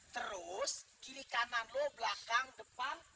terus kiri kanan lo belakang depan